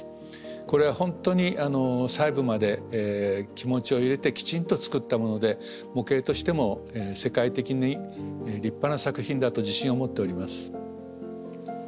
これは本当に細部まで気持ちを入れてきちんと造ったもので模型としても世界的に立派な作品だと自信を持っております。